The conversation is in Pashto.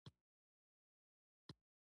عیسویان وایي عیسی مسیح دلته صلیب شوی و.